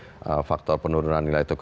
apa dari faktor penurunan nilai tukar rupiah